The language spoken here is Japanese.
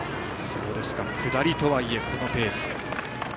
下りとはいえ、このペース。